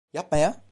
Yapma ya.